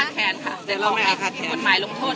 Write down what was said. น้องแอมไม่เคยไปล้าลานใคร